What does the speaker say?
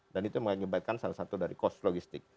dan itu menyebabkan salah satu dari cost logistik